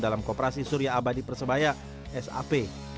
dalam koperasi surya abadi persebaya sap